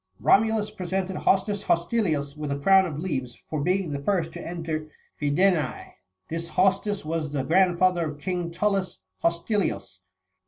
Romulus presented Hostus Hostilius30 with a crown of leaves, for being the first to enter Fidense. This Hostus was the grandfather of King Tullus Hostilius.